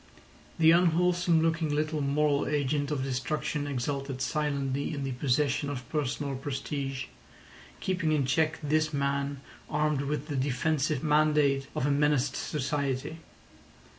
The unwholesome looking little moral agent of destruction exulted silently in the possession of personal prestige, keeping in check this man armed with the defensive mandate of a menaced society.